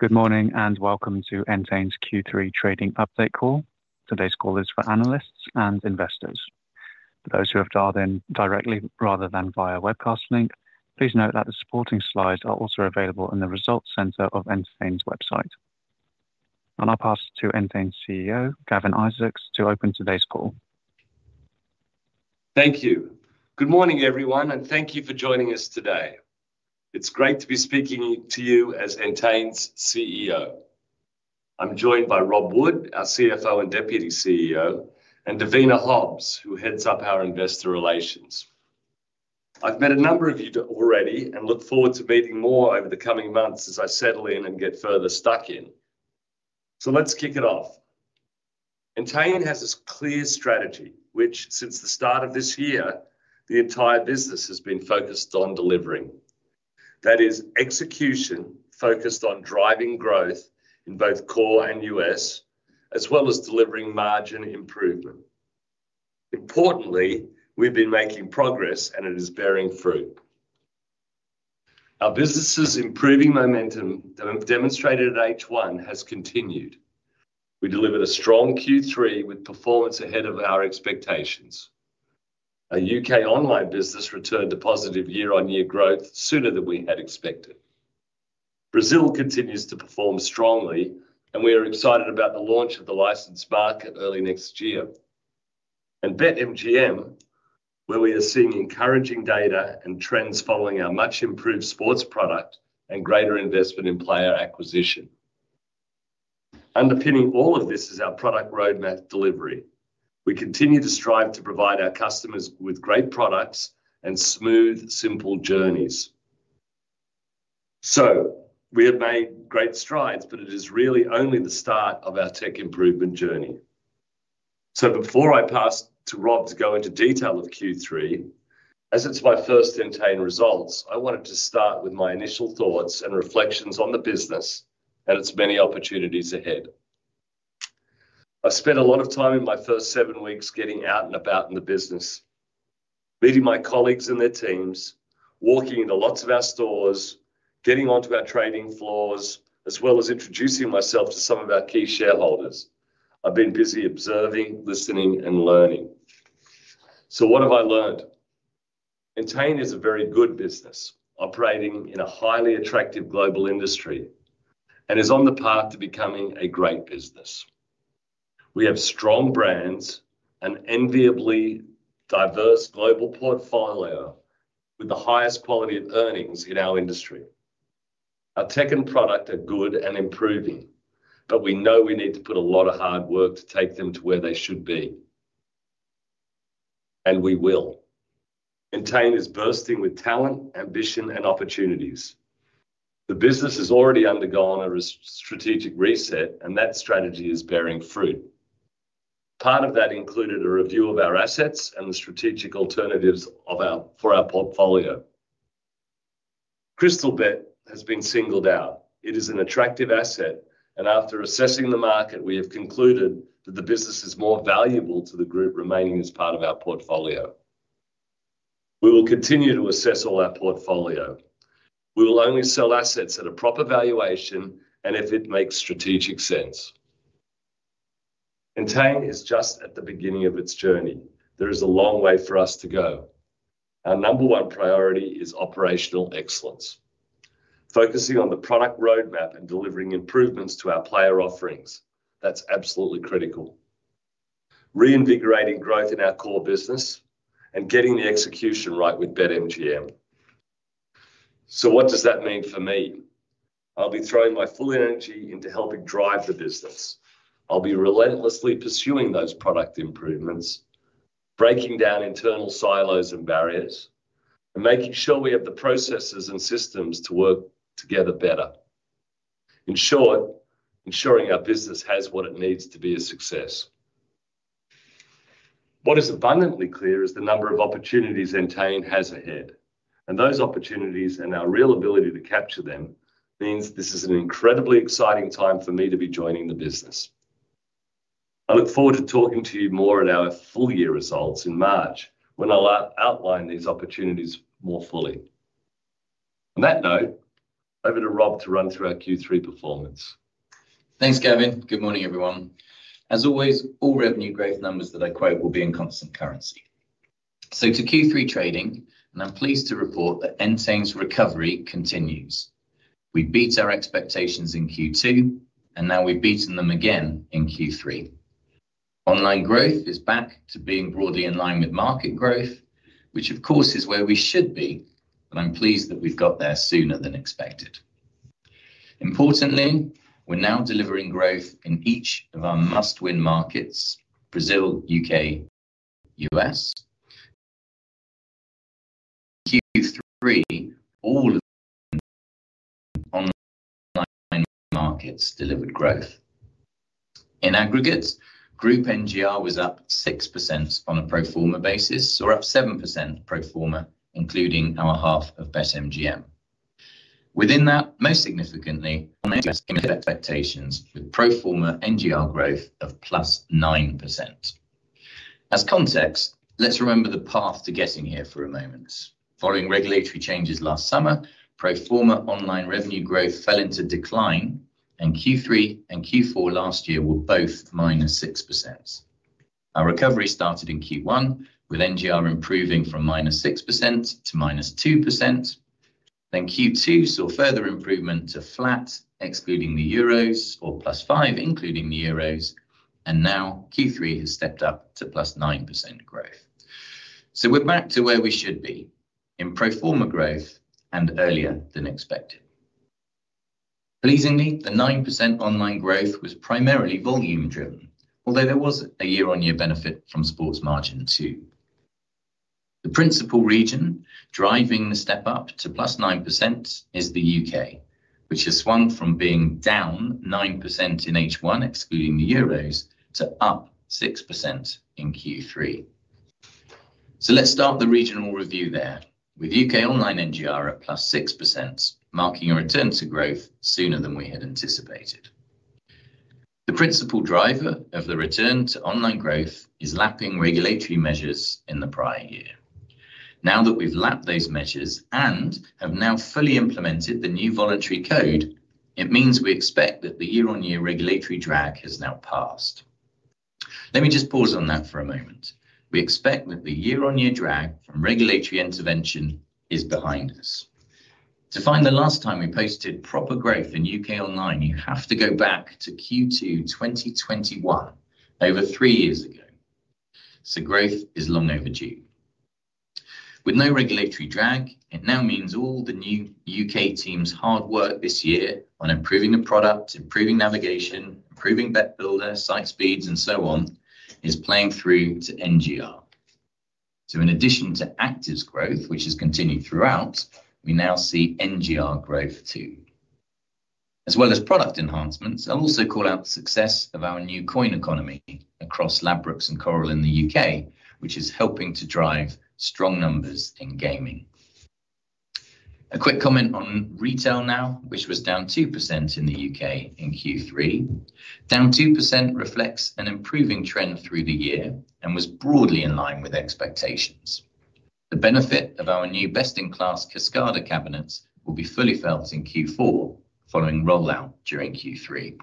Good morning, and welcome to Entain's Q3 trading update call. Today's call is for analysts and investors. For those who have dialed in directly rather than via webcast link, please note that the supporting slides are also available in the results center of Entain's website. And I'll pass to Entain's CEO, Gavin Isaacs, to open today's call. Thank you. Good morning, everyone, and thank you for joining us today. It's great to be speaking to you as Entain's CEO. I'm joined by Rob Wood, our CFO and Deputy CEO, and Davina Hobbs, who heads up our investor relations. I've met a number of you already and look forward to meeting more over the coming months as I settle in and get further stuck in. So let's kick it off. Entain has this clear strategy, which since the start of this year, the entire business has been focused on delivering. That is execution focused on driving growth in both core and U.S., as well as delivering margin improvement. Importantly, we've been making progress, and it is bearing fruit. Our business' improving momentum, demonstrated at H1 has continued. We delivered a strong Q3 with performance ahead of our expectations. Our U.K. online business returned to positive year-on-year growth sooner than we had expected. Brazil continues to perform strongly, and we are excited about the launch of the licensed market early next year. And BetMGM, where we are seeing encouraging data and trends following our much-improved sports product and greater investment in player acquisition. Underpinning all of this is our product roadmap delivery. We continue to strive to provide our customers with great products and smooth, simple journeys. So we have made great strides, but it is really only the start of our tech improvement journey. So before I pass to Rob to go into detail of Q3, as it's my first Entain results, I wanted to start with my initial thoughts and reflections on the business and its many opportunities ahead. I've spent a lot of time in my first seven weeks getting out and about in the business, meeting my colleagues and their teams, walking into lots of our stores, getting onto our trading floors, as well as introducing myself to some of our key shareholders. I've been busy observing, listening, and learning. So what have I learned? Entain is a very good business, operating in a highly attractive global industry and is on the path to becoming a great business. We have strong brands, an enviably diverse global portfolio with the highest quality of earnings in our industry. Our tech and product are good and improving, but we know we need to put a lot of hard work to take them to where they should be, and we will. Entain is bursting with talent, ambition, and opportunities. The business has already undergone a strategic reset, and that strategy is bearing fruit. Part of that included a review of our assets and the strategic alternatives for our portfolio. Crystalbet has been singled out. It is an attractive asset, and after assessing the market, we have concluded that the business is more valuable to the group remaining as part of our portfolio. We will continue to assess all our portfolio. We will only sell assets at a proper valuation and if it makes strategic sense. Entain is just at the beginning of its journey. There is a long way for us to go. Our number one priority is operational excellence, focusing on the product roadmap and delivering improvements to our player offerings. That's absolutely critical. Reinvigorating growth in our core business and getting the execution right with BetMGM. So what does that mean for me? I'll be throwing my full energy into helping drive the business. I'll be relentlessly pursuing those product improvements, breaking down internal silos and barriers, and making sure we have the processes and systems to work together better. In short, ensuring our business has what it needs to be a success. What is abundantly clear is the number of opportunities Entain has ahead, and those opportunities and our real ability to capture them means this is an incredibly exciting time for me to be joining the business. I look forward to talking to you more at our full year results in March, when I'll outline these opportunities more fully. On that note, over to Rob to run through our Q3 performance. Thanks, Gavin. Good morning, everyone. As always, all revenue growth numbers that I quote will be in constant currency. So, to Q3 trading, and I'm pleased to report that Entain's recovery continues. We beat our expectations in Q2, and now we've beaten them again in Q3. Online growth is back to being broadly in line with market growth, which, of course, is where we should be, and I'm pleased that we've got there sooner than expected. Importantly, we're now delivering growth in each of our must-win markets: Brazil, U.K., U.S. Q3, all of the online markets delivered growth. In aggregate, group NGR was up 6% on a pro forma basis, or up 7% pro forma, including our half of BetMGM. Within that, most significantly, online exceeded expectations with pro forma NGR growth of +9%. As context, let's remember the path to getting here for a moment. Following regulatory changes last summer, pro forma online revenue growth fell into decline, and Q3 and Q4 last year were both -6%. Our recovery started in Q1, with NGR improving from -6% to -2%. Then Q2 saw further improvement to flat, excluding the Euros, or +5% including the Euros, and now Q3 has stepped up to +9% growth. So we're back to where we should be in pro forma growth and earlier than expected. Pleasingly, the 9% online growth was primarily volume-driven, although there was a year-on-year benefit from sports margin, too. The principal region driving the step up to +9% is the U.K., which has swung from being down 9% in H1, excluding the Euros, to up 6% in Q3. So let's start the regional review there. With U.K. online NGR at +6%, marking a return to growth sooner than we had anticipated. The principal driver of the return to online growth is lapping regulatory measures in the prior year. Now that we've lapped those measures and have now fully implemented the new voluntary code, it means we expect that the year-on-year regulatory drag has now passed. Let me just pause on that for a moment. We expect that the year-on-year drag from regulatory intervention is behind us. To find the last time we posted proper growth in U.K. online, you have to go back to Q2 2021, over three years ago, so growth is long overdue. With no regulatory drag, it now means all the new U.K. team's hard work this year on improving the product, improving navigation, improving Bet Builder, site speeds, and so on, is playing through to NGR. In addition to Actives growth, which has continued throughout, we now see NGR growth, too. As well as product enhancements, I'll also call out the success of our new Coin Economy across Ladbrokes and Coral in the U.K., which is helping to drive strong numbers in gaming. A quick comment on retail now, which was down 2% in the U.K. in Q3. Down 2% reflects an improving trend through the year and was broadly in line with expectations. The benefit of our new best-in-class Kaskada cabinets will be fully felt in Q4, following rollout during Q3.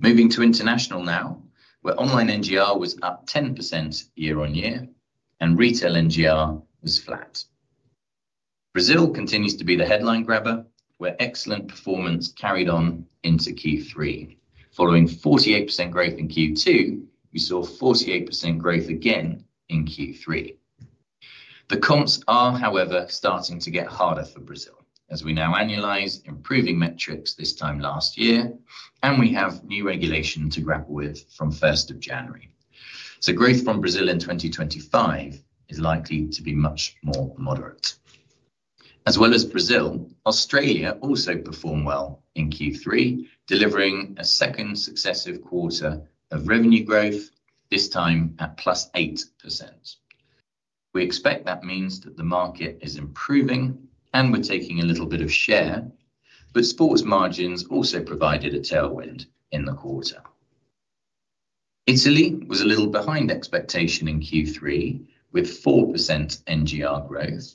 Moving to international now, where online NGR was up 10% year-on-year, and retail NGR was flat. Brazil continues to be the headline grabber, where excellent performance carried on into Q3. Following 48% growth in Q2, we saw 48% growth again in Q3. The comps are, however, starting to get harder for Brazil, as we now annualize improving metrics this time last year, and we have new regulation to grapple with from first of January. So growth from Brazil in 2025 is likely to be much more moderate. As well as Brazil, Australia also performed well in Q3, delivering a second successive quarter of revenue growth, this time at +8%. We expect that means that the market is improving, and we're taking a little bit of share, but sports margins also provided a tailwind in the quarter. Italy was a little behind expectation in Q3, with 4% NGR growth,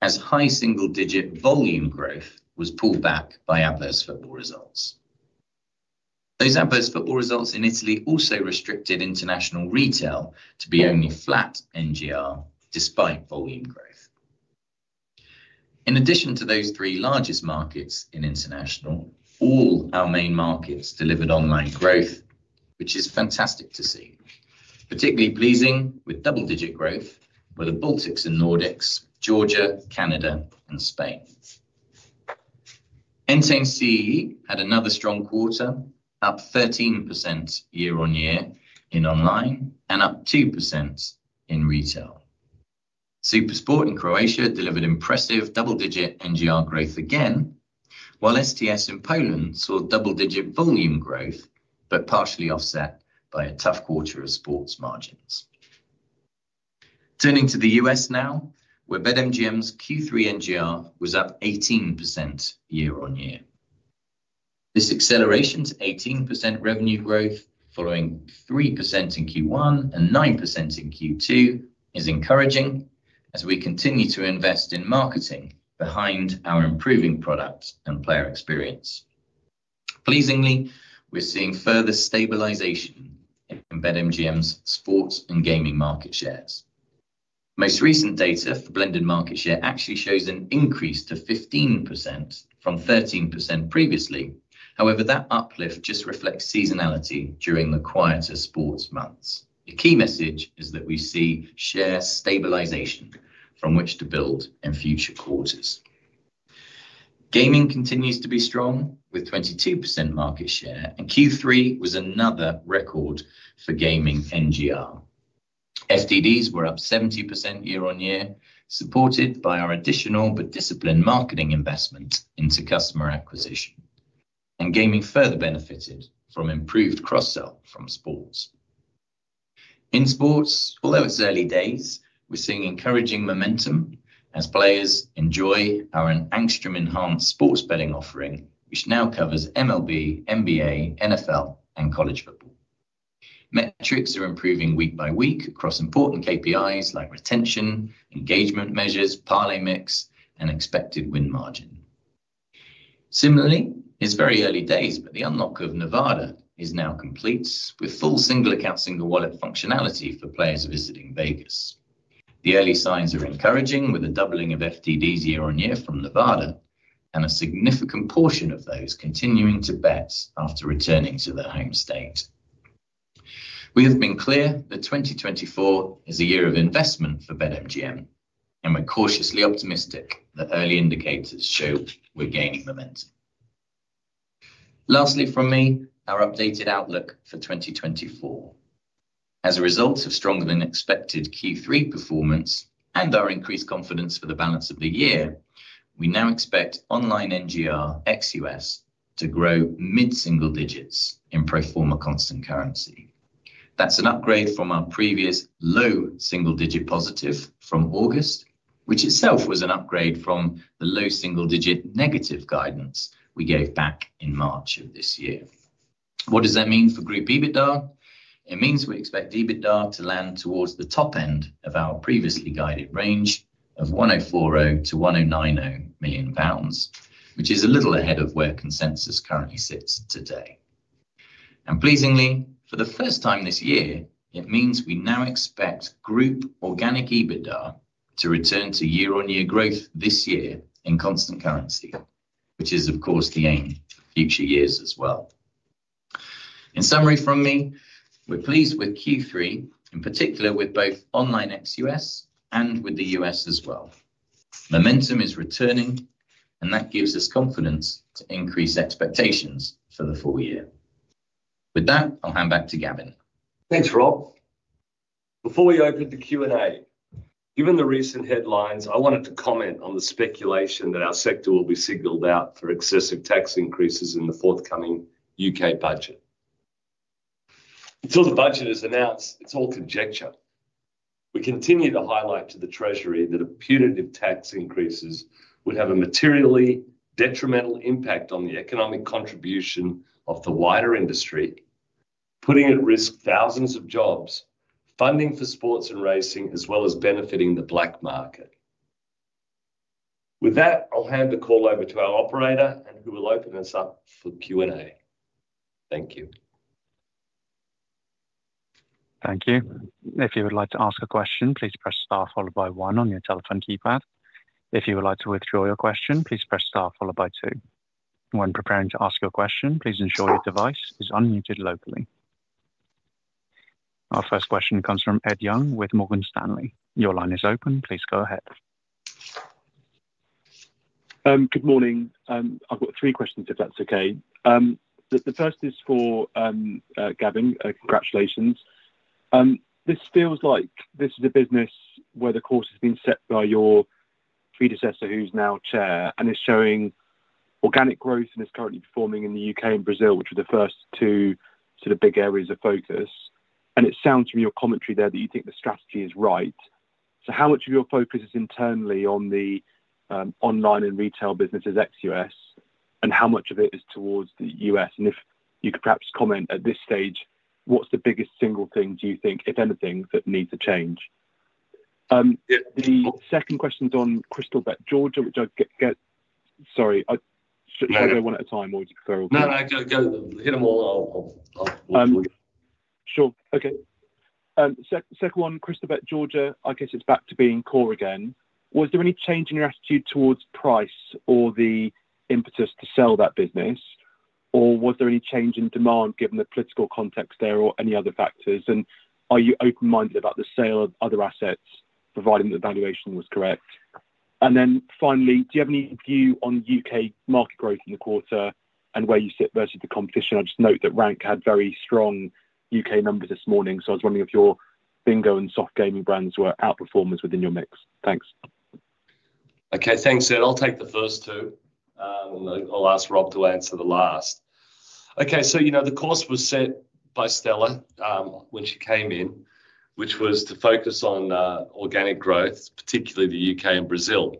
as high single-digit volume growth was pulled back by adverse football results. Those adverse football results in Italy also restricted international retail to be only flat NGR, despite volume growth. In addition to those three largest markets in international, all our main markets delivered online growth, which is fantastic to see. Particularly pleasing, with double-digit growth, were the Baltics and Nordics, Georgia, Canada, and Spain. Entain CEE had another strong quarter, up 13% year-on-year in online and up 2% in retail. SuperSport in Croatia delivered impressive double-digit NGR growth again, while STS in Poland saw double-digit volume growth, but partially offset by a tough quarter of sports margins. Turning to the U.S. now, where BetMGM's Q3 NGR was up 18% year-on-year. This acceleration to 18% revenue growth, following 3% in Q1 and 9% in Q2, is encouraging as we continue to invest in marketing behind our improving product and player experience. Pleasingly, we're seeing further stabilization in BetMGM's sports and gaming market shares. Most recent data for blended market share actually shows an increase to 15% from 13% previously. However, that uplift just reflects seasonality during the quieter sports months. The key message is that we see share stabilization from which to build in future quarters. Gaming continues to be strong, with 22% market share, and Q3 was another record for gaming NGR. FTDs were up 70% year-on-year, supported by our additional but disciplined marketing investment into customer acquisition, and gaming further benefited from improved cross-sell from sports. In sports, although it's early days, we're seeing encouraging momentum as players enjoy our Angstrom enhanced sports betting offering, which now covers MLB, NBA, NFL, and college football. Metrics are improving week by week across important KPIs like retention, engagement measures, parlay mix, and expected win margin. Similarly, it's very early days, but the unlock of Nevada is now complete, with full single account, single wallet functionality for players visiting Vegas. The early signs are encouraging, with a doubling of FTDs year-on-year from Nevada, and a significant portion of those continuing to bet after returning to their home state. We have been clear that 2024 is a year of investment for BetMGM, and we're cautiously optimistic that early indicators show we're gaining momentum. Lastly, from me, our updated outlook for 2024. As a result of stronger than expected Q3 performance and our increased confidence for the balance of the year, we now expect online NGR ex-U.S. to grow mid-single digits in pro forma constant currency. That's an upgrade from our previous low single digit positive from August, which itself was an upgrade from the low single digit negative guidance we gave back in March of this year. What does that mean for group EBITDA? It means we expect EBITDA to land towards the top end of our previously guided range of 1,040 million pounds to 1,090 million pounds, which is a little ahead of where consensus currently sits today. And pleasingly, for the first time this year, it means we now expect group organic EBITDA to return to year-on-year growth this year in constant currency, which is, of course, the aim for future years as well. In summary from me, we're pleased with Q3, in particular with both online ex-U.S. and with the U.S. as well. Momentum is returning, and that gives us confidence to increase expectations for the full year. With that, I'll hand back to Gavin. Thanks, Rob. Before we open the Q&A, given the recent headlines, I wanted to comment on the speculation that our sector will be singled out for excessive tax increases in the forthcoming U.K. Budget. Until the Budget is announced, it's all conjecture. We continue to highlight to the Treasury that a punitive tax increases would have a materially detrimental impact on the economic contribution of the wider industry putting at risk thousands of jobs, funding for sports and racing, as well as benefiting the black market. With that, I'll hand the call over to our operator, and who will open us up for Q&A. Thank you. Thank you. If you would like to ask a question, please press star followed by one on your telephone keypad. If you would like to withdraw your question, please press star followed by two. When preparing to ask your question, please ensure your device is unmuted locally. Our first question comes from Ed Young with Morgan Stanley. Your line is open. Please go ahead. Good morning. I've got three questions, if that's okay. The first is for Gavin. Congratulations. This feels like this is a business where the course has been set by your predecessor, who's now chair, and is showing organic growth and is currently performing in the U.K. and Brazil, which were the first two sort of big areas of focus. And it sounds from your commentary there that you think the strategy is right. So how much of your focus is internally on the online and retail businesses ex-U.S., and how much of it is towards the U.S.? And if you could perhaps comment at this stage, what's the biggest single thing, do you think, if anything, that needs to change? The second question is on Crystalbet Georgia, which I get... Sorry, should I go one at a time, or do you prefer all? No, no. Go, go. Hit them all. I'll- Sure. Okay. Second one, Crystalbet Georgia, I guess it's back to being core again. Was there any change in your attitude towards price or the impetus to sell that business, or was there any change in demand, given the political context there or any other factors? And are you open-minded about the sale of other assets, providing the valuation was correct? And then finally, do you have any view on U.K. market growth in the quarter and where you sit versus the competition? I just note that Rank had very strong U.K. numbers this morning, so I was wondering if your bingo and soft gaming brands were outperformers within your mix. Thanks. Okay, thanks, Ed. I'll take the first two, and then I'll ask Rob to answer the last. Okay, so, you know, the course was set by Stella, when she came in, which was to focus on, organic growth, particularly the U.K. and Brazil.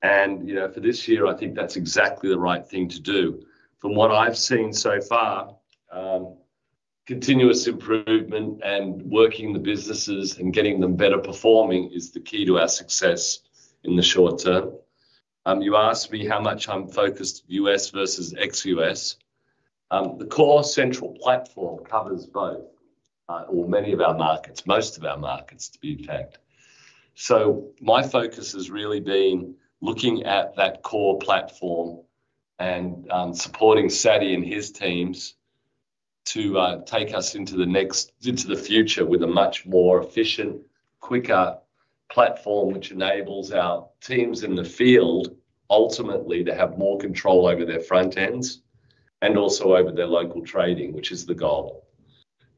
And, you know, for this year, I think that's exactly the right thing to do. From what I've seen so far, continuous improvement and working the businesses and getting them better performing is the key to our success in the short term. You asked me how much I'm focused U.S. vs ex-U.S.. The core central platform covers both, or many of our markets, most of our markets, to be exact. So my focus has really been looking at that core platform and supporting Saty and his teams to take us into the future with a much more efficient, quicker platform, which enables our teams in the field ultimately to have more control over their front ends and also over their local trading, which is the goal.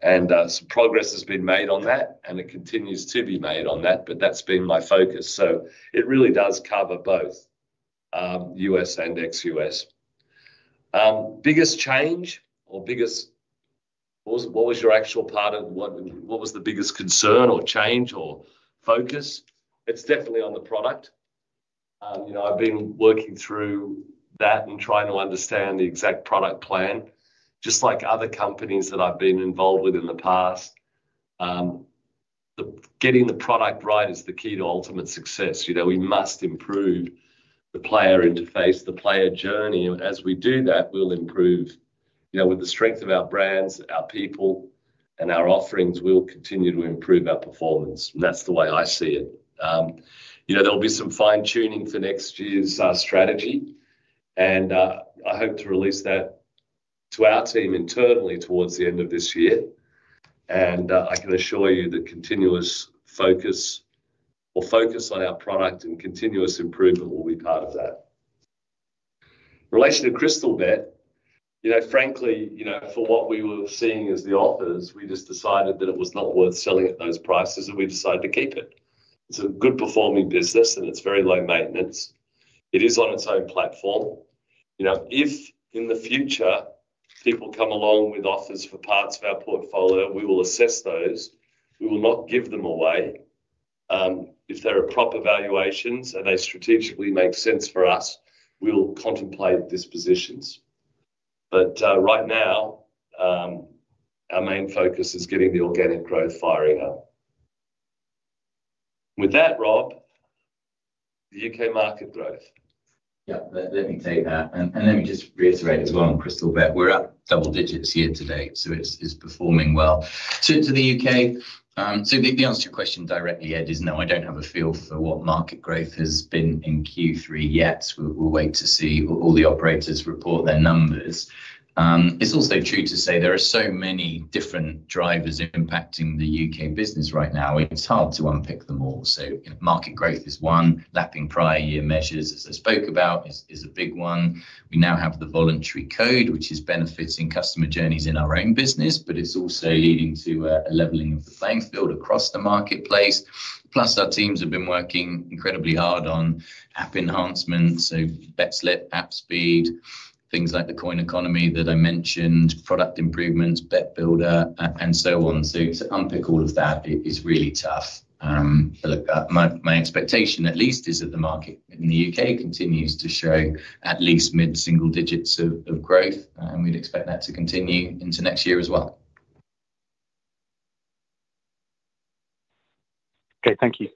And progress has been made on that, and it continues to be made on that, but that's been my focus, so it really does cover both. U.S. and ex-U.S.. Biggest change or what was your actual part of, what was the biggest concern or change or focus? It's definitely on the product. You know, I've been working through that and trying to understand the exact product plan. just like other companies that I've been involved with in the past, getting the product right is the key to ultimate success. You know, we must improve the player interface, the player journey, and as we do that, we'll improve. You know, with the strength of our brands, our people, and our offerings, we'll continue to improve our performance, and that's the way I see it. You know, there'll be some fine-tuning for next year's strategy, and I hope to release that to our team internally towards the end of this year, and I can assure you that continuous focus or focus on our product andcontinuous improvement will be part of that. In relation to Crystalbet, you know, frankly, you know, for what we were seeing as the offers, we just decided that it was not worth selling at those prices, and we decided to keep it. It's a good performing business, and it's very low maintenance. It is on its own platform. You know, if in the future people come along with offers for parts of our portfolio, we will assess those. We will not give them away. If there are proper valuations and they strategically make sense for us, we'll contemplate dispositions. But right now, our main focus is getting the organic growth firing up. With that, Rob, the U.K. market growth. Yeah, let me take that, and let me just reiterate as well on Crystalbet, we're up double digits year to date, so it's performing well. So to the U.K., so the answer to your question directly, Ed, is no, I don't have a feel for what market growth has been in Q3 yet. We'll wait to see all the operators report their numbers. It's also true to say there are so many different drivers impacting the U.K. business right now, it's hard to unpick them all. So market growth is one, lapping prior year measures, as I spoke about, is a big one. We now have the voluntary code, which is benefiting customer journeys in our own business, but it's also leading to a leveling of the playing field across the marketplace. Plus, our teams have been working incredibly hard on app enhancements, so bet slip, app speed, things like the coin economy that I mentioned, product improvements, Bet Builder, and so on. So to unpick all of that is really tough. But look, my expectation, at least, is that the market in the U.K. continues to show at least mid-single digits of growth, and we'd expect that to continue into next year as well. Okay, thank you.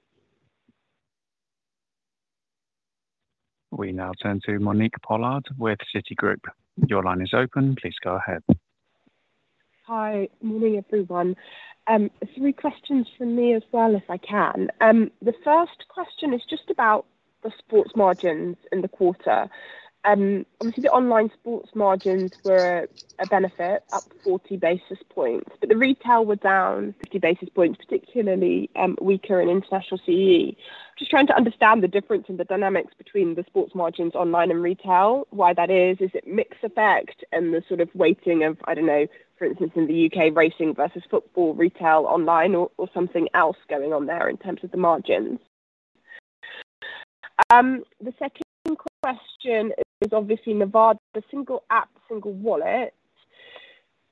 We now turn to Monique Pollard with Citigroup. Your line is open. Please go ahead. Hi. Morning, everyone. Three questions from me as well, if I can. The first question is just about the sports margins in the quarter. obviously, the online sports margins were a benefit, up 40 basis points, but the retail were down 50 basis points, particularly weaker in international ex-U.K. just trying to understand the difference in the dynamics between the sports margins online and retail, why that is. Is it mix effect and the sort of weighting of, I don't know, for instance, in the U.K., racing versus football, retail, online, or something else going on there in terms of the margins? The second question is obviously Nevada, the single app, single wallet.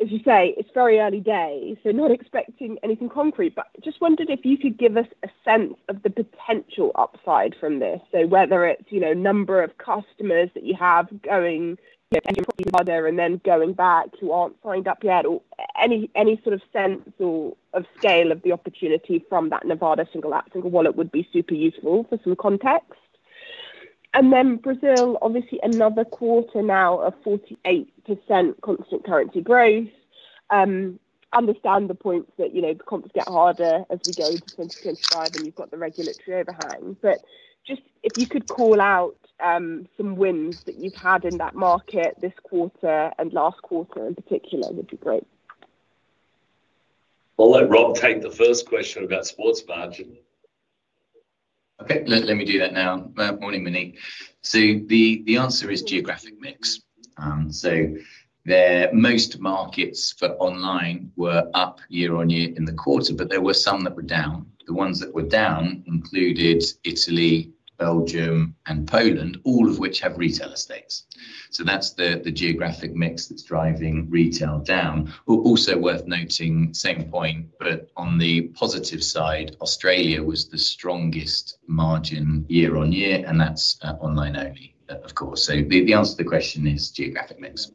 As you say, it's very early days, so not expecting anything concrete, but just wondered if you could give us a sense of the potential upside from this. Whether it's, you know, the number of customers that you have going, you know, either further and then going back who aren't signed up yet, or any sort of sense of scale of the opportunity from that Nevada single account, single wallet would be super useful for some context. And then Brazil, obviously another quarter now of 48% constant currency growth. I understand the points that, you know, the comps get harder as we go into 2025, and you've got the regulatory overhang. But just if you could call out some wins that you've had in that market this quarter and last quarter in particular, would be great. I'll let Rob take the first question about sports margin. Okay, let me do that now. Morning, Monique. The answer is geographic mix. Their most markets for online were up year on year in the quarter, but there were some that were down. The ones that were down included Italy, Belgium, and Poland, all of which have retail estates. That's the geographic mix that's driving retail down. Also worth noting, same point, but on the positive side, Australia was the strongest margin year on year, and that's online only, of course. The answer to the question is geographic mix.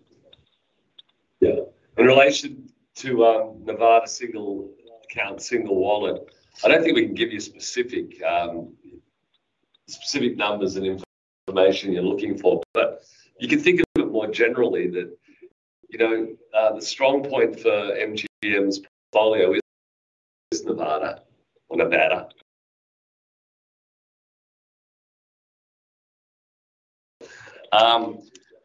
Yeah. In relation to Nevada Single Account, Single Wallet, I don't think we can give you specific numbers and information you're looking for, but you can think of it more generally that, you know, the strong point for MGM's portfolio is Nevada.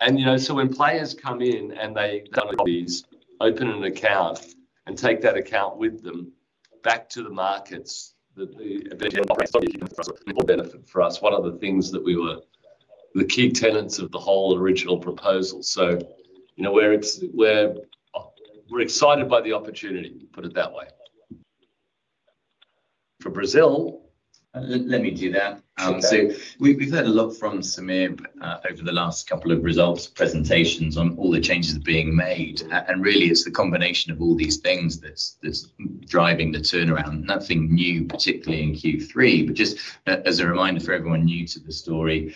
And, you know, so when players come in and they come with these, open an account and take that account with them back to the markets that the benefit for us. One of the things that we were the key tenets of the whole original proposal. So, you know, we're excited by the opportunity, put it that way. For Brazil, let me do that. So we, we've heard a lot from Sameer over the last couple of results presentations on all the changes being made. And really, it's the combination of all these things that's driving the turnaround. Nothing new, particularly in Q3, but just as a reminder for everyone new to the story,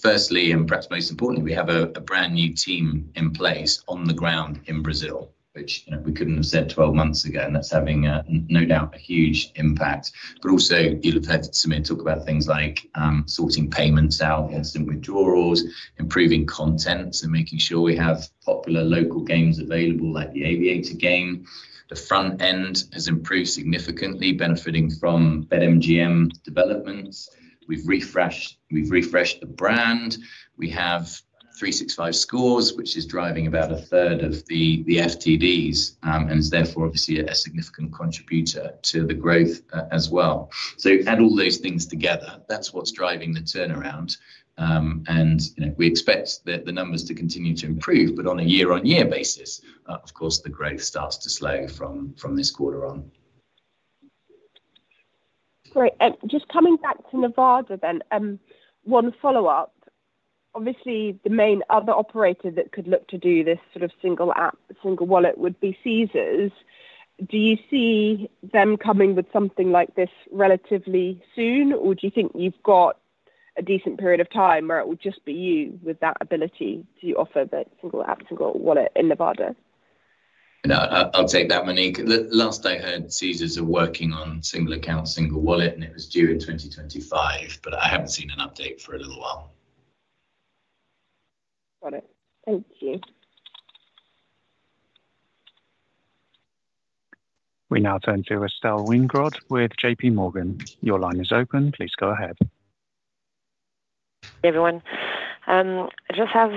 firstly, and perhaps most importantly, we have a brand new team in place on the ground in Brazil, which, you know, we couldn't have said twelve months ago, and that's having no doubt, a huge impact. But also, you'll have heard Sameer talk about things like sorting payments out, instant withdrawals, improving content, so making sure we have popular local games available, like the Aviator game. The front end has improved significantly, benefiting from BetMGM developments. We've refreshed the brand. We have 365Scores, which is driving about a third of the FTDs, and is therefore, obviously a significant contributor to the growth, as well. So add all those things together, that's what's driving the turnaround. You know, we expect the numbers to continue to improve, but on a year-on-year basis, of course, the growth starts to slow from this quarter on. Great. just coming back to Nevada then, one follow-up. obviously, the main other operator that could look to do this sort of single app, single wallet would be Caesars. Do you see them coming with something like this relatively soon, or do you think you've got a decent period of time where it would just be you with that ability to offer the single app, single wallet in Nevada? No, I'll take that, Monique. The last I heard, Caesars are working on single account, single wallet, and it was due in twenty twenty-five, but I haven't seen an update for a little while. Got it. Thank you. We now turn to Estelle Weingrod with J.P. Morgan. Your line is open. Please go ahead. Everyone, I just have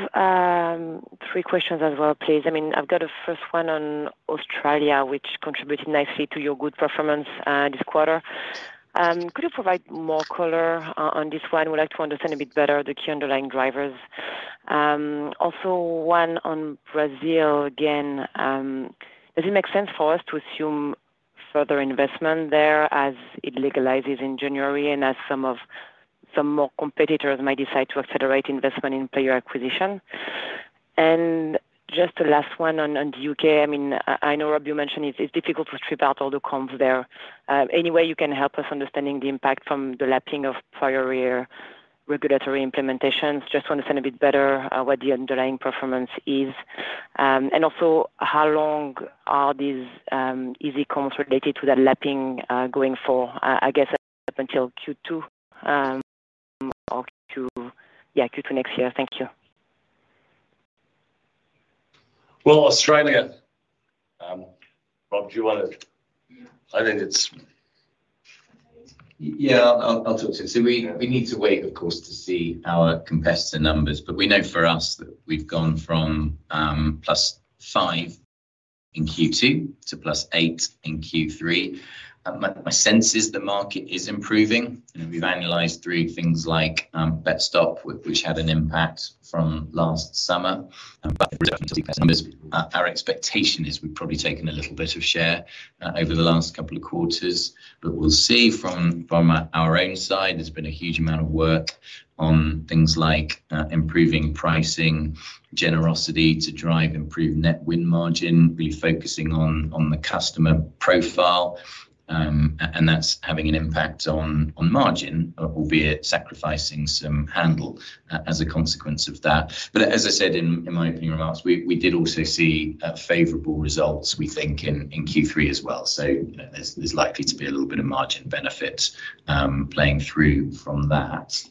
three questions as well, please. I mean, I've got a first one on Australia, which contributed nicely to your good performance this quarter. Could you provide more color on this one? I would like to understand a bit better the key underlying drivers. Also one on Brazil again, does it make sense for us to assume further investment there as it legalizes in January, and as some more competitors might decide to accelerate investment in player acquisition? And just the last one on the U.K., I mean, I know, Rob, you mentioned it's difficult to strip out all the comps there. Any way you can help us understanding the impact from the lapping of prior year regulatory implementations? just to understand a bit better, what the underlying performance is, and also, how long are these easy comps related to the lapping going for? I guess up until Q2 or Q2 next year. Thank you. Well, Australia, Rob. I think it's... Yeah, I'll talk to it. So we need to wait, of course, to see our competitor numbers, but we know for us that we've gone from +5 in Q2 to +8 in Q3. My sense is the market is improving, and we've analyzed through things like BetStop, which had an impact from last summer. But our expectation is we've probably taken a little bit of share over the last couple of quarters, but we'll see. From our own side, there's been a huge amount of work on things like improving pricing, generosity to drive improved net win margin. We're focusing on the customer profile, and that's having an impact on margin, albeit sacrificing some handle as a consequence of that. But as I said in my opening remarks, we did also see favorable results, we think in Q3 as well. So there's likely to be a little bit of margin benefit playing through from that.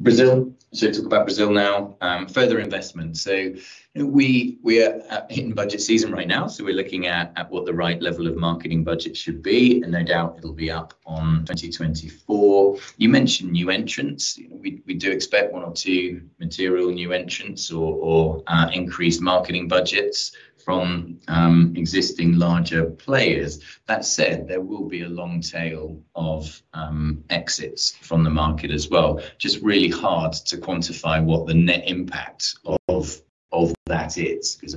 Brazil. So talk about Brazil now, further investment. So we are hitting budget season right now, so we're looking at what the right level of marketing budget should be, and no doubt it'll be up on 2024. You mentioned new entrants. We do expect one or two material new entrants or increased marketing budgets from existing larger players. That said, there will be a long tail of exits from the market as well. just really hard to quantify what the net impact of that is, 'cause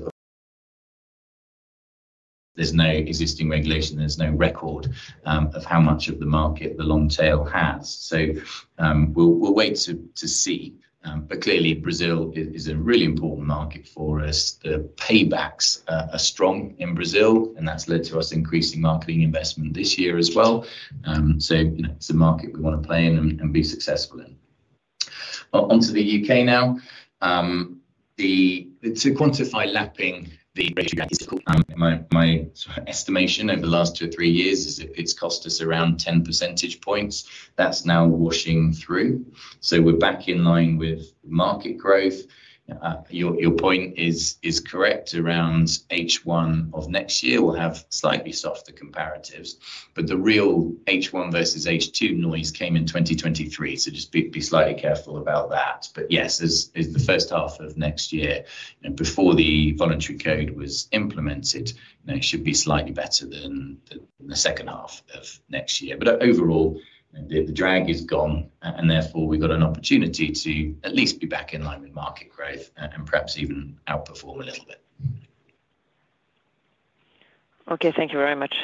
there's no existing regulation, there's no record of how much of the market the long tail has, so we'll wait to see, but clearly, Brazil is a really important market for us. The paybacks are strong in Brazil, and that's led to us increasing marketing investment this year as well, so you know, it's a market we wanna play in and be successful in. On to the U.K. now. To quantify lapping my estimation over the last two or three years is it's cost us around 10 percentage points. That's now washing through, so we're back in line with market growth. Your point is correct. Around H1 of next year, we'll have slightly softer comparatives, but the real H1 versus H2 noise came in 2023, so just be slightly careful about that. But yes, is the first half of next year, and before the voluntary code was implemented, you know, it should be slightly better than the second half of next year. But overall, the drag is gone, and therefore, we've got an opportunity to at least be back in line with market growth and perhaps even outperform a little bit. Okay, thank you very much.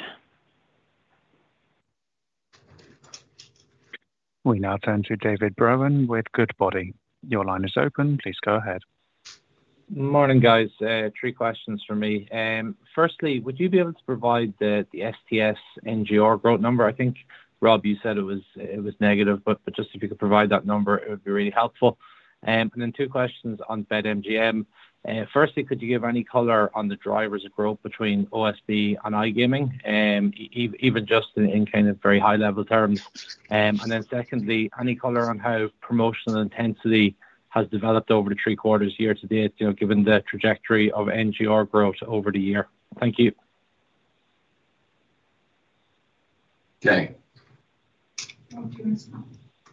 We now turn to David Brohan with Goodbody. Your line is open, please go ahead. Morning, guys. Three questions for me. Firstly, would you be able to provide the STS NGR growth number? I think, Rob, you said it was negative, but just if you could provide that number, it would be really helpful. And then two questions on BetMGM. Firstly, could you give any color on the drivers of growth between OSB and iGaming, even just in kind of very high-level terms? And then secondly, any color on how promotional intensity has developed over the three quarters year to date, you know, given the trajectory of NGR growth over the year? Thank you. Okay.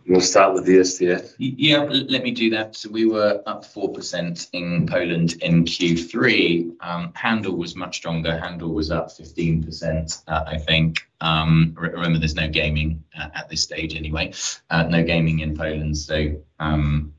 We'll start with the STS. Yeah, let me do that, so we were up 4% in Poland in Q3. Handle was much stronger. Handle was up 15%, I think. Remember, there's no gaming at this stage anyway, no gaming in Poland, so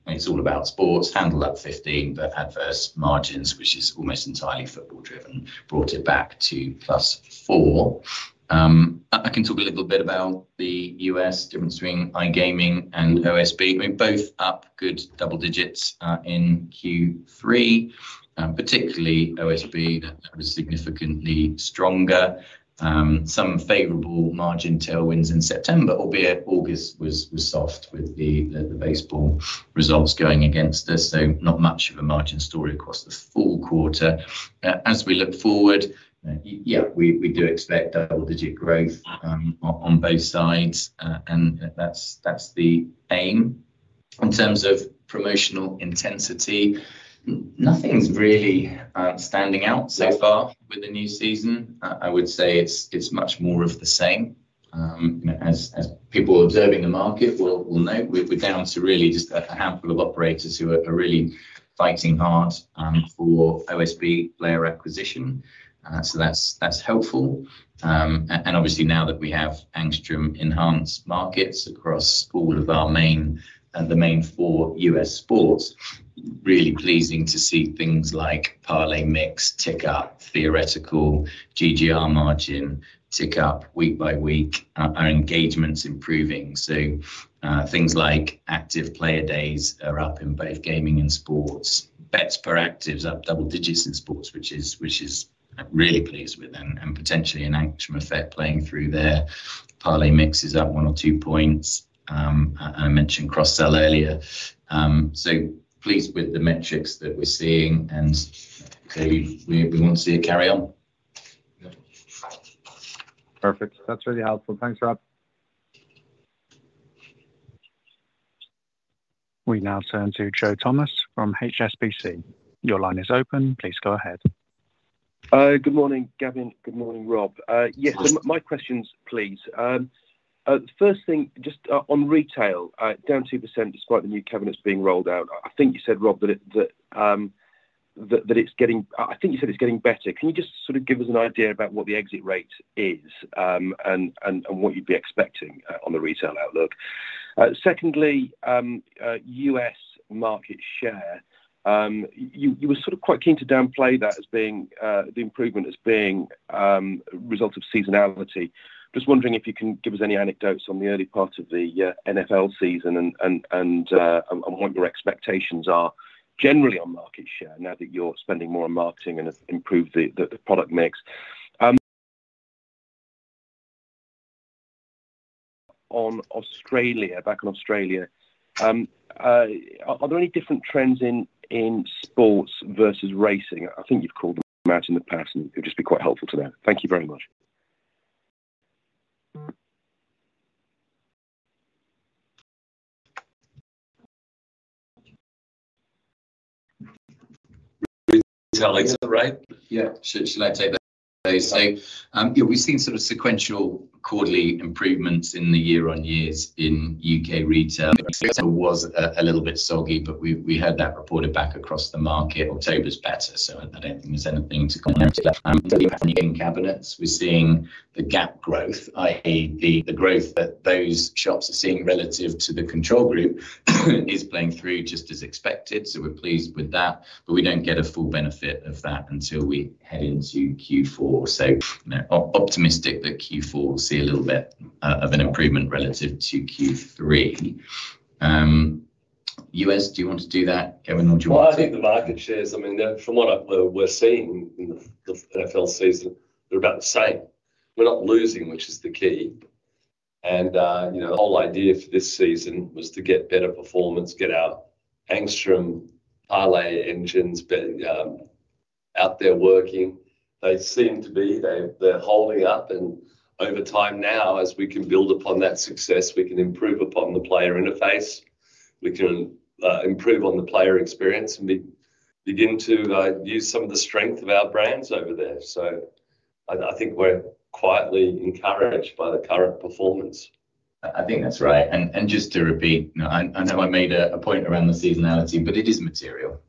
it's all about sports. Handle up 15%, but adverse margins, which is almost entirely football driven, brought it back to plus 4%. I can talk a little bit about the U.S., difference between iGaming and OSB. I mean, both up good double digits in Q3, particularly OSB, that was significantly stronger. Some favorable margin tailwinds in September, albeit August was soft with the baseball results going against us, so not much of a margin story across the full quarter. As we look forward, yeah, we do expect double-digit growth on both sides. That's the aim. In terms of promotional intensity, nothing's really standing out so far with the new season. I would say it's much more of the same. As people observing the market will know, we're down to really just a handful of operators who are really fighting hard for OSB player acquisition. That's helpful. obviously now that we have Angstrom enhanced markets across all of our main four U.S. sports, it's really pleasing to see things like parlay mix tick up, theoretical GGR margin tick up week by week. Our engagement's improving, so things like active player days are up in both gaming and sports. Bets per actives up double digits in sports, which is-- I'm really pleased with and potentially an Angstrom effect playing through there. Parlay mix is up one or two points, and I mentioned cross-sell earlier. So pleased with the metrics that we're seeing, and so we want to see it carry on. Perfect. That's really helpful. Thanks, Rob. We now turn to Joe Thomas from HSBC. Your line is open. Please go ahead. Good morning, Gavin. Good morning, Rob. Yes, so my questions, please. The first thing, just on retail, down 2% despite the new cabinets being rolled out. I think you said, Rob, that it's getting better. Can you just sort of give us an idea about what the exit rate is, and what you'd be expecting on the retail outlook? Secondly, U.S. market share. You were sort of quite keen to downplay that as being the improvement as being a result of seasonality. just wondering if you can give us any anecdotes on the early part of the NFL season and on what your expectations are generally on market share now that you're spending more on marketing and have improved the product mix? On Australia, back on Australia, are there any different trends in sports versus racing? I think you've called them out in the past, and it would just be quite helpful to know. Thank you very much. Retail, is that right? Yeah. Should I take that? So, yeah, we've seen sort of sequential quarterly improvements in the year on years in U.K. retail. It was a little bit soggy, but we had that reported back across the market. October's better, so I don't think there's anything to comment. Cabinets, we're seeing the gap growth, i.e., the growth that those shops are seeing relative to the control group, is playing through just as expected, so we're pleased with that. But we don't get a full benefit of that until we head into Q4. Optimistic that Q4 will see a little bit of an improvement relative to Q3. U.S., do you want to do that, Gavin, or do you want to- I think the market shares, I mean, from what we're seeing in the NFL season, they're about the same. We're not losing, which is the key. And you know, the whole idea for this season was to get better performance, get our Angstrom parlay engines out there working. They seem to be. They're holding up, and over time now, as we can build upon that success, we can improve upon the player interface. We can improve on the player experience and begin to use some of the strength of our brands over there. So I think we're quietly encouraged by the current performance. I think that's right. And just to repeat, you know, I know I made a point around the seasonality, but it is material.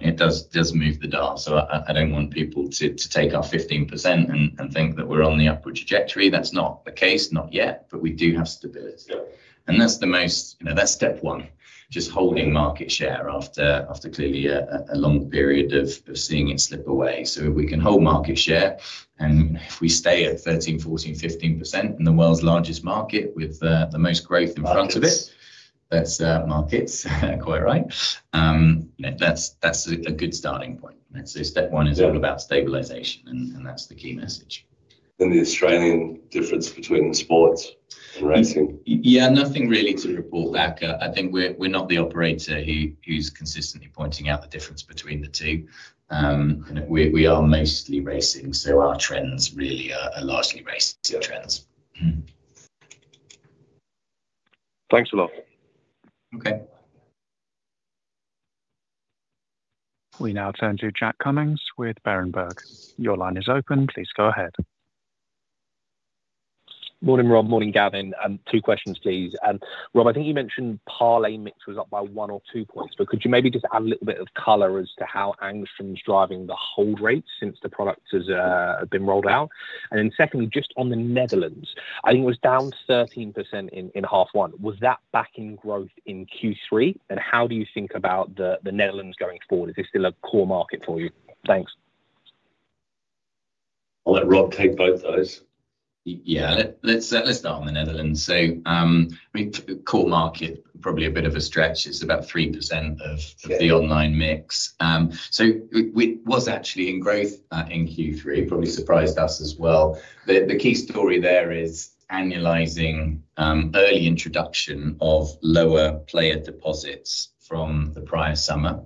It does move the dial. So I don't want people to take our 15% and think that we're on the upward trajectory. That's not the case. Not yet, but we do have stability. Yeah. And that's the most, you know, that's step one, just holding market share after clearly a long period of seeing it slip away. So if we can hold market share, and if we stay at 13%, 14%, 15% in the world's largest market with the most growth in front of it. Markets. That's markets, quite right. That's a good starting point. And so step one is. Yeah... All about stabilization, and that's the key message. Then the Australian difference between sports and racing? Yeah, nothing really to report back. I think we're not the operator who's consistently pointing out the difference between the two. We are mostly racing, so our trends really are largely race trends. Mm-hmm. Thanks a lot. Okay. We now turn to Jack Cummings with Berenberg. Your line is open, please go ahead. Morning, Rob, morning, Gavin. Two questions, please. Rob, I think you mentioned parlay mix was up by one or two points, but could you maybe just add a little bit of color as to how Angstrom's driving the hold rate since the product has been rolled out? And then secondly, just on the Netherlands, I think it was down 13% in half one. Was that back in growth in Q3? And how do you think about the Netherlands going forward? Is this still a core market for you? Thanks. I'll let Rob take both of those. Yeah. Let's start on the Netherlands. So, I mean, core market, probably a bit of a stretch. It's about 3% of- Yeah... the online mix. So we were actually in growth in Q3, probably surprised us as well. But the key story there is annualizing early introduction of lower player deposits from the prior summer.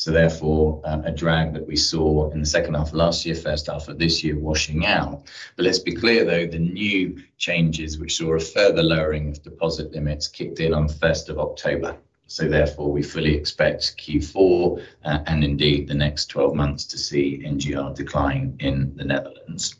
So therefore, a drag that we saw in the second half of last year, first half of this year, washing out. But let's be clear, though, the new changes, which saw a further lowering of deposit limits, kicked in on the first of October. So therefore, we fully expect Q4 and indeed the next twelve months to see NGR decline in the Netherlands.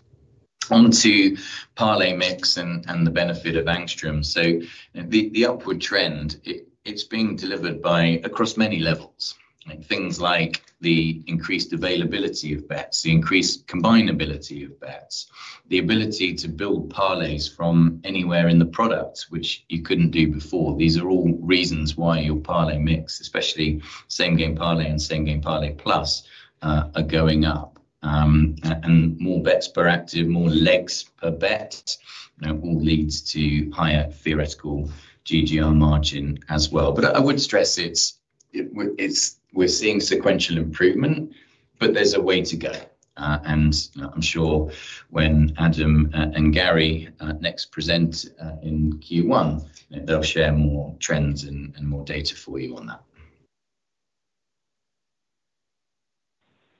On to parlay mix and the benefit of Angstrom. So the upward trend, it's being delivered by across many levels. Things like the increased availability of bets, the increased combinability of bets, the ability to build parlays from anywhere in the product, which you couldn't do before. These are all reasons why your parlay mix, especially Same Game Parlay and Same Game Parlay Plus, are going up. And more bets per active, more legs per bet, you know, all leads to higher theoretical GGR margin as well. But I would stress it's -- we're seeing sequential improvement, but there's a way to go. And I'm sure when Adam and Gary next present in Q1, they'll share more trends and more data for you on that.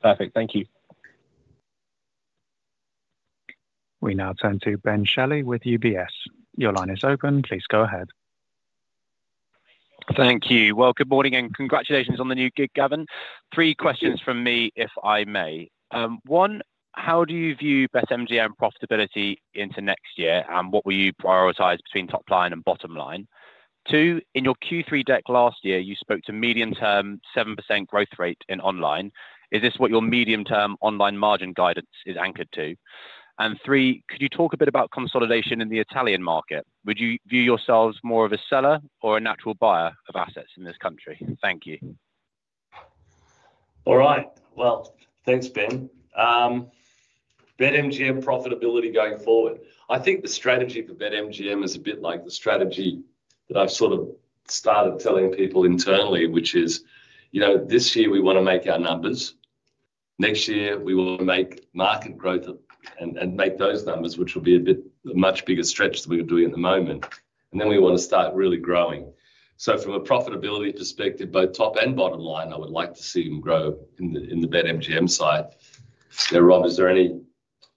Perfect. Thank you. We now turn to Ben Shelley with UBS. Your line is open. Please go ahead. Thank you. Well, good morning, and congratulations on the new gig, Gavin. Thank you. Three questions from me, if I may. One, how do you view BetMGM profitability into next year, and what will you prioritize between top line and bottom line? Two, in your Q3 deck last year, you spoke to medium-term 7% growth rate in online. Is this what your medium-term online margin guidance is anchored to? And three, could you talk a bit about consolidation in the Italian market? Would you view yourselves more of a seller or a natural buyer of assets in this country? Thank you. All right. Well, thanks, Ben. BetMGM profitability going forward. I think the strategy for BetMGM is a bit like the strategy that I've sort of started telling people internally, which is: you know, this year we want to make our numbers. Next year, we will make market growth and make those numbers, which will be a much bigger stretch than we're doing at the moment. And then we want to start really growing. So from a profitability perspective, both top and bottom line, I would like to see them grow in the BetMGM side. So, Rob, is there any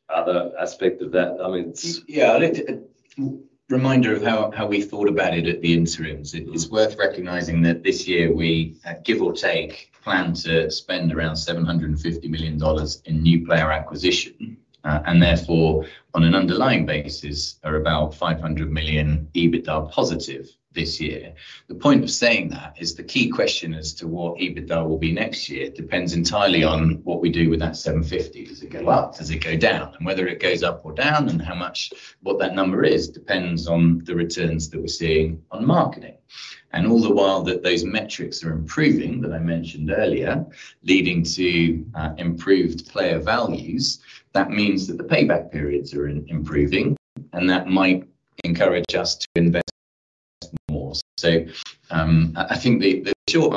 other aspect of that? I mean. Yeah, a little reminder of how we thought about it at the interims. Mm-hmm. It is worth recognizing that this year we, at give or take, plan to spend around $750 million in new player acquisition, and therefore, on an underlying basis, are about $500 million EBITDA positive this year. The point of saying that is the key question as to what EBITDA will be next year, depends entirely on what we do with that $750 million. Does it go up? Does it go down? And whether it goes up or down and how much, what that number is, depends on the returns that we're seeing on marketing. And all the while that those metrics are improving, that I mentioned earlier, leading to, improved player values, that means that the payback periods are improving, and that might encourage us to invest more. So, I think the short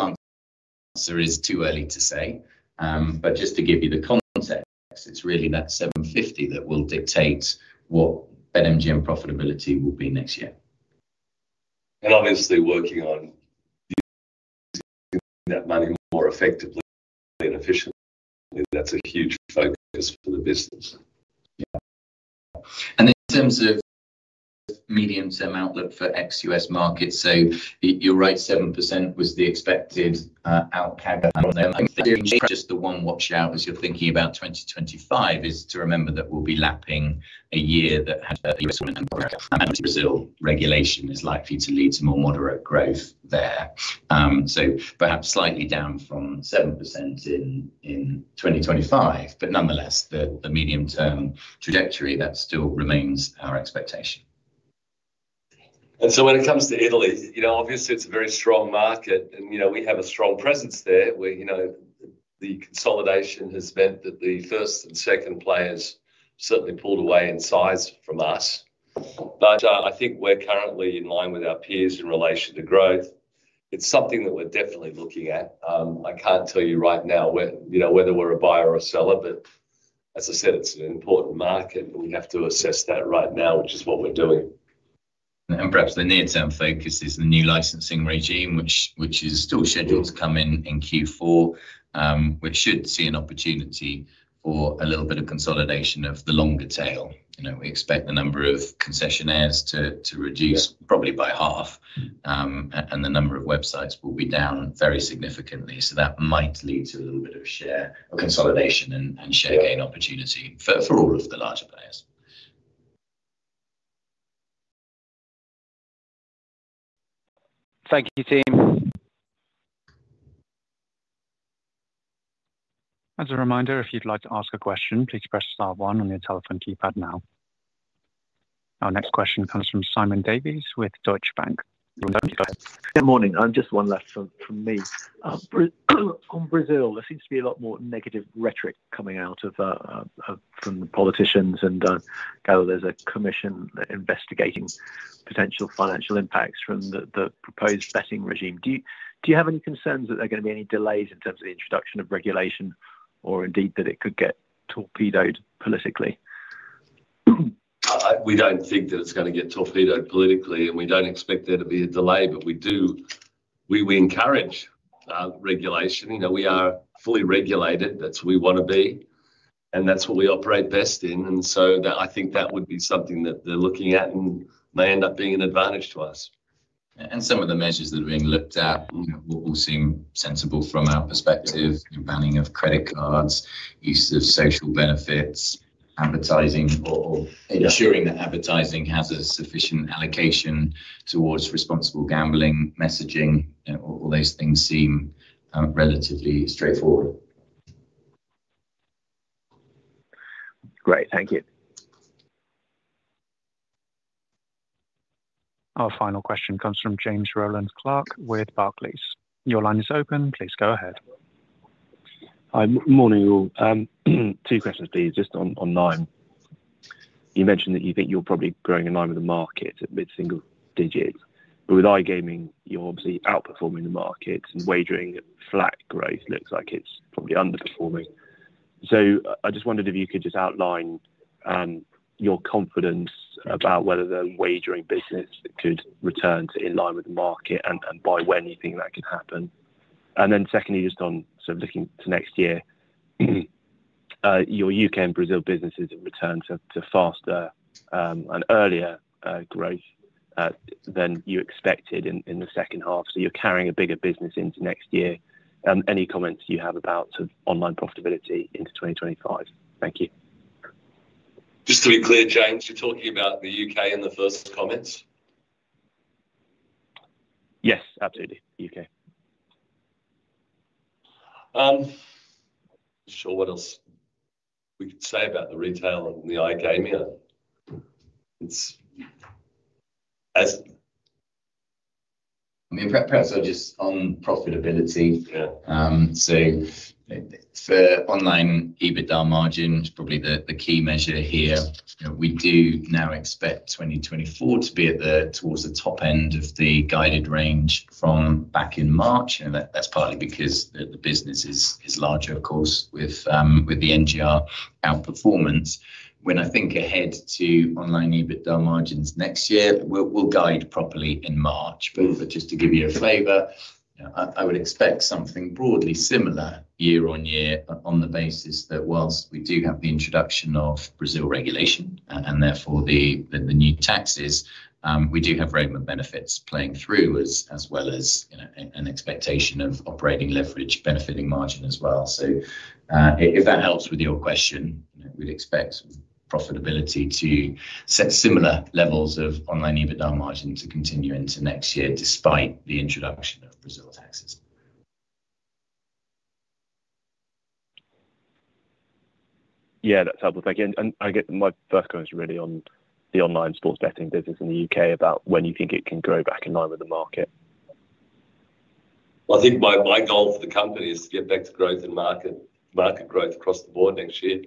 answer is too early to say. But just to give you the context, it's really that seven fifty that will dictate what BetMGM profitability will be next year. And obviously, working on that money more effectively and efficiently, that's a huge focus for the business. Yeah. And in terms of medium-term outlook for ex-U.S. markets, so you're right, seven percent was the expected outcome. And I think maybe just the one watch-out as you're thinking about 2025, is to remember that we'll be lapping a year that had a risk. And Brazil regulation is likely to lead to more moderate growth there. So perhaps slightly down from seven percent in 2025, but nonetheless, the medium-term trajectory, that still remains our expectation. And so when it comes to Italy, you know, obviously, it's a very strong market, and, you know, we have a strong presence there, where, you know, the consolidation has meant that the first and second players certainly pulled away in size from us. But, I think we're currently in line with our peers in relation to growth. It's something that we're definitely looking at. I can't tell you right now, you know, whether we're a buyer or seller, but as I said, it's an important market, and we have to assess that right now, which is what we're doing. Perhaps the near-term focus is the new licensing regime, which is still scheduled to come in Q4, which should see an opportunity for a little bit of consolidation of the longer tail. You know, we expect the number of concessionaires to reduce- Yeah... probably by half. And the number of websites will be down very significantly, so that might lead to a little bit of share consolidation and- Yeah... and share gain opportunity for all of the larger players. Thank you, team. As a reminder, if you'd like to ask a question, please press star one on your telephone keypad now. Our next question comes from Simon Davies with Deutsche Bank. Simon, go ahead. Good morning. just one left from, from me. On Brazil, there seems to be a lot more negative rhetoric coming out of, from the politicians, and, Gavin, there's a commission investigating potential financial impacts from the proposed betting regime. Do you have any concerns that there are gonna be any delays in terms of the introduction of regulation, or indeed, that it could get torpedoed politically? We don't think that it's gonna get torpedoed politically, and we don't expect there to be a delay, but we do encourage regulation. You know, we are fully regulated. That's where we wanna be, and that's what we operate best in, and so that I think that would be something that they're looking at and may end up being an advantage to us. Some of the measures that are being looked at- Mm-hmm... you know, all seem sensible from our perspective. Yeah. The banning of credit cards, use of social benefits, advertising, or- Yeah... ensuring that advertising has a sufficient allocation towards responsible gambling, messaging, and all those things seem relatively straightforward. Great. Thank you. Our final question comes from James Rowland Clark with Barclays. Your line is open, please go ahead. Hi. Morning, all. Two questions, please, just on online. You mentioned that you think you're probably growing in line with the market at mid single digits, but with iGaming, you're obviously outperforming the market, and wagering at flat growth. Looks like it's probably underperforming. So I just wondered if you could just outline your confidence about whether the wagering business could return to in line with the market, and by when you think that could happen. And then secondly, just on sort of looking to next year, your U.K. and Brazil businesses have returned to faster and earlier growth than you expected in the second half, so you're carrying a bigger business into next year. Any comments you have about sort of online profitability into 2025? Thank you. just to be clear, James, you're talking about the U.K. in the first comments? Yes, absolutely. U.K.. Sure, what else we could say about the retail and the iGaming, it's as- Maybe perhaps just on profitability. Yeah. So, for online EBITDA margin, probably the key measure here, we do now expect 2024 to be towards the top end of the guided range from back in March, and that's partly because the business is larger, of course, with the NGR outperformance. When I think ahead to online EBITDA margins next year, we'll guide properly in March. Mm. But just to give you a flavor, I would expect something broadly similar year on year, on the basis that while we do have the introduction of Brazil regulation, and therefore the new taxes, we do have regime benefits playing through as well as, you know, an expectation of operating leverage benefiting margin as well. So, if that helps with your question, we'd expect profitability to set similar levels of online EBITDA margin to continue into next year, despite the introduction of Brazil taxes. Yeah, that's helpful. Thank you, and I get my first comment is really on the online sports betting business in the U.K. about when you think it can grow back in line with the market? I think my goal for the company is to get back to growth in market growth across the board next year.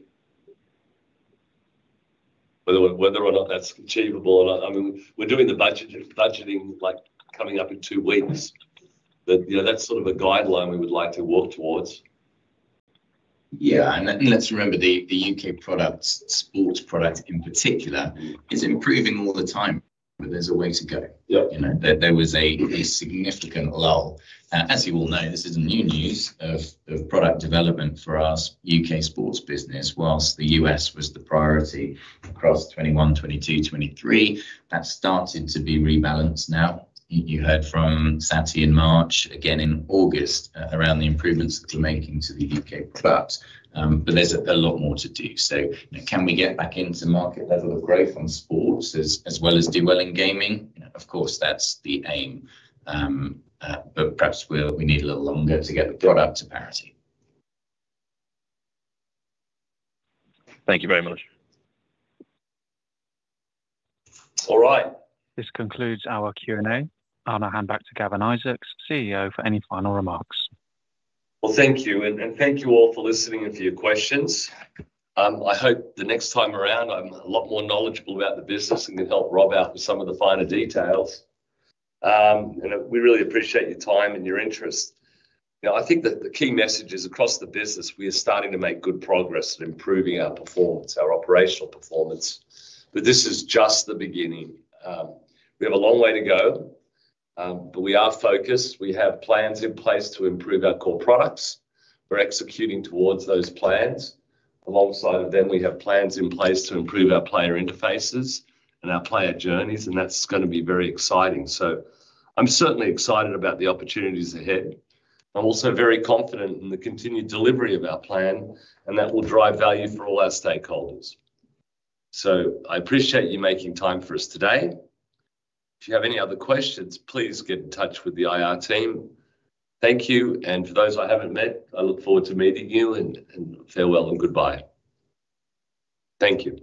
Whether or not that's achievable or not, I mean, we're doing the budgeting, like, coming up in two weeks. But, you know, that's sort of a guideline we would like to work towards. Yeah, and let's remember, the U.K. product, sports product in particular, is improving all the time, but there's a way to go. Yeah. You know, there was a significant lull. As you all know, this isn't new news of product development for U.S., U.K. sports business. While the U.S. was the priority across 2021, 2022, 2023, that's started to be rebalanced now. You heard from Saty in March, again in August, around the improvements that we're making to the U.K. product, but there's a lot more to do, so you know, can we get back into market level of growth on sports, as well as do well in gaming? You know, of course, that's the aim, but perhaps we need a little longer to get the product to parity. Thank you very much. All right. This concludes our Q&A. I'm gonna hand back to Gavin Isaacs, CEO, for any final remarks. Thank you, and thank you all for listening and for your questions. I hope the next time around, I'm a lot more knowledgeable about the business and can help Rob out with some of the finer details, and we really appreciate your time and your interest. You know, I think that the key message is, across the business, we are starting to make good progress in improving our performance, our operational performance, but this is just the beginning. We have a long way to go, but we are focused. We have plans in place to improve our core products. We're executing towards those plans. Alongside of them, we have plans in place to improve our player interfaces and our player journeys, and that's gonna be very exciting, so I'm certainly excited about the opportunities ahead. I'm also very confident in the continued delivery of our plan, and that will drive value for all our stakeholders. So I appreciate you making time for us today. If you have any other questions, please get in touch with the IR team. Thank you, and for those I haven't met, I look forward to meeting you, and, and farewell and goodbye. Thank you.